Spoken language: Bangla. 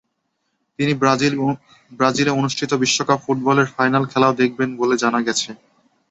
তিনি ব্রাজিলে অনুষ্ঠিত বিশ্বকাপ ফুটবলের ফাইনাল খেলাও দেখবেন বলে জানা গেছে।